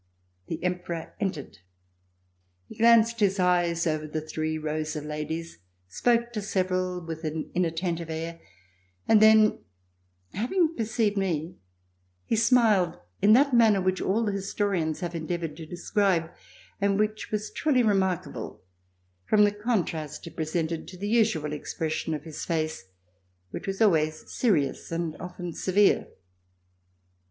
The Emperor entered. He glanced his eyes over the three rows of ladies, spoke to several with an inattentive air, and then having perceived me, he smiled in that manner which all the historians have endeavored to describe and which was truly remarkable, from the contrast it presented to the usual expression of his face which was always serious and often severe.